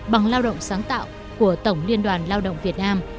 bằng lao động sáng tạo của tổng liên đoàn lao động việt nam